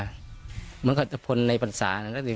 เหมือนกับคนในปรรรษานะฮะ